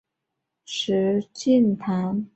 奉圣都虞候王景以所部投降石敬瑭。